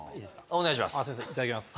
お願いします